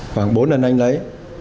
khoảng bốn lần anh lấy